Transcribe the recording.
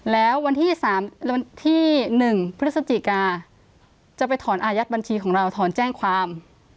แล้ววันที่๑พฤศจิกาจะไปถอนอายัดบัญชีของเราถอนแจ้งความ